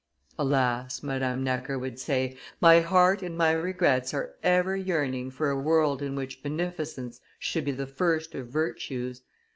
"Alas!" Madame Necker would say, "my heart and my regrets are ever yearning for a world in which beneficence should be the first of virtues.